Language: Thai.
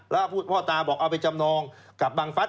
แล้วพ่อตาบอกเอาไปจำนองกับบังฟัส